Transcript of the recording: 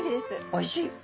おいしい。